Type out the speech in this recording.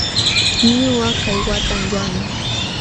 Ñuqa kaywatam yanuu.